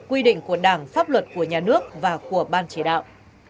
quy định của đảng pháp luật của nhà nước và của ban chỉ đạo